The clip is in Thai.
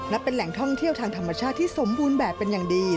เป็นแหล่งท่องเที่ยวทางธรรมชาติที่สมบูรณ์แบบเป็นอย่างดี